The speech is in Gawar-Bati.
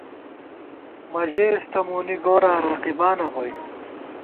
مہ ژېس تہ مونی گوراں ، رقیبانہ گوئی